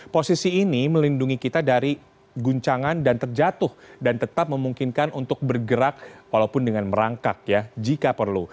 posisi ini melindungi kita dari guncangan dan terjatuh dan tetap memungkinkan untuk bergerak walaupun dengan merangkak ya jika perlu